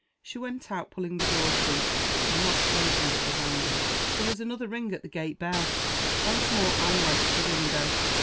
She went out, pulling the door to, but not closing it behind her. There was another ring at the gate bell. Once more Anne went to the window.